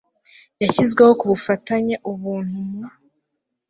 yashyizweho ku bufatanye ubuntu mu